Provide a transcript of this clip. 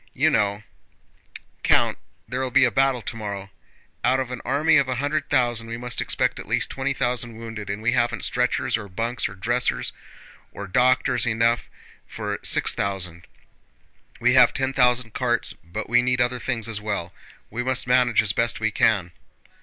You know, Count, there'll be a battle tomorrow. Out of an army of a hundred thousand we must expect at least twenty thousand wounded, and we haven't stretchers, or bunks, or dressers, or doctors enough for six thousand. We have ten thousand carts, but we need other things as well—we must manage as best we can!"